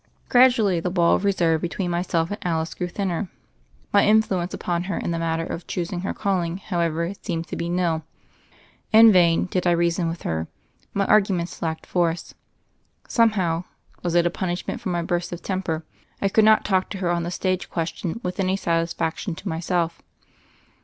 Gradually, the wall of reserve between my self and Alice grew thinner. My influence upon her in the matter of choosing her calling, how ever, seemed to be nif. In vain, did I reason with her: my arguments lacked force. Some how—was it a punishment for my burst of tem per — I could not talk to her on the stage ques tion with any satisfaction to myself.